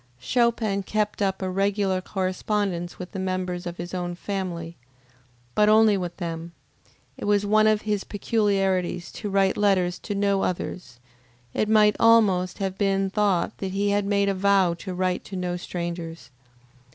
Chopin kept up a regular correspondence with the members of his own family, but only with them. It was one of his peculiarities to write letters to no others; it might almost have been thought that he had made a vow to write to no strangers.